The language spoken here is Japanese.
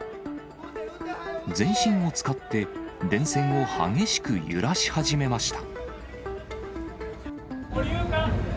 全身を使って、電線を激しく揺らし始めました。